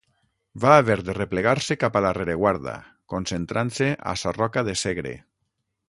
Va haver de replegar-se cap a la rereguarda, concentrant-se a Sarroca de Segre.